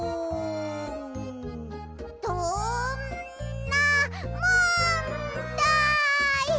どんなもんだい！